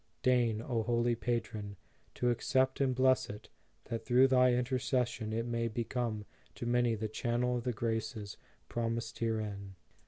Deign, O Holy Patron, to accept and bless it, that through thy intercession it may be come to many the channel of the graces promised herein.